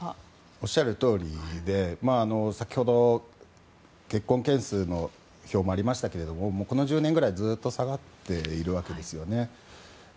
おっしゃるとおりで先ほど結婚件数の表もありましたがこの１０年ぐらいずっと下がっているわけですよね。